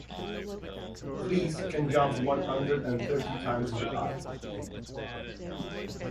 Fleas can jump one hundred and thirty times their height.